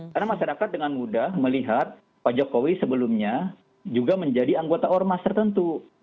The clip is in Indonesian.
karena masyarakat dengan mudah melihat pak jokowi sebelumnya juga menjadi anggota ormas tertentu